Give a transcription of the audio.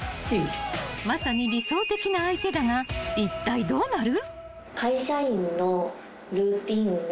［まさに理想的な相手だがいったいどうなる？］